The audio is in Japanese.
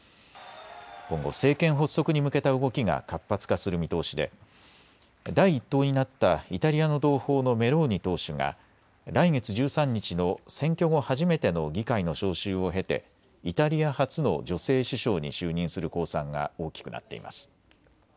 今後、政権発足に向けた動きが活発化する見通しで、第１党になったイタリアの同胞のメローニ党首が来月１３日の選挙後初めての議会の招集を経てイタリア初の女性首相に就任する公算が大きくなっています。